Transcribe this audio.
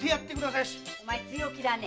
お前強気だね？